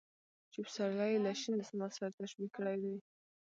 چې پسرلى يې له شين دسمال سره تشبيه کړى دى .